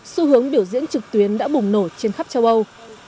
xu hướng biểu diễn trực tuyến đã bùng nổ trên khắp châu âu